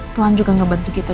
tuhan juga ngebantu kita